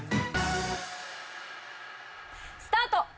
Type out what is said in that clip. スタート！